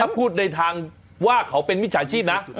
พูดในทางว่าเขาเป็นมิจฉาชีพนะ